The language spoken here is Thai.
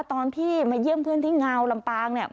ตอนที่มาเยี่ยมเพื่อนที่งาวลำปางเนี่ย